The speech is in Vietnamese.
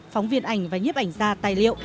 phóng viên ảnh và nhiếp ảnh gia tài liệu